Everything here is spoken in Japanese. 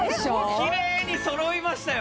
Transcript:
きれいに揃いましたよ。